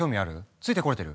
ついてこれてる？